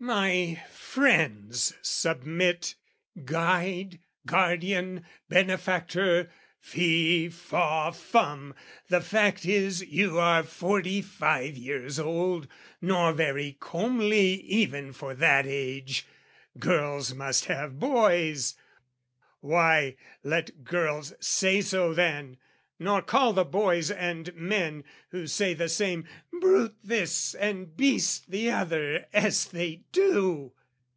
My friends submit "Guide, guardian, benefactor, fee, faw, fum, "The fact is you are forty five years old, "Nor very comely even for that age: "Girls must have boys." Why, let girls say so then, Nor call the boys and men, who say the same, Brute this and beast the other as they do!